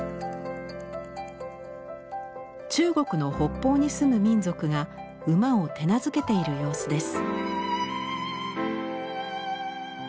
中国の北方に住む民族が馬を手なずけている様子です。